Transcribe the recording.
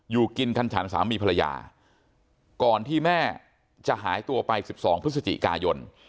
อยู่กินคันฉันสามีภรรยาก่อนที่แม่จะหายตัวไป๑๒พฤศจิกายน